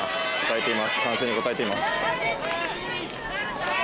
歓声に応えています。